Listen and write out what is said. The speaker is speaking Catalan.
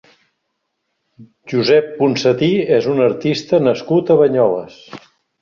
Josep Ponsatí és un artista nascut a Banyoles.